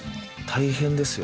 大変ですよ。